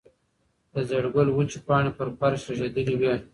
د زېړ ګل وچې پاڼې پر فرش رژېدلې وې.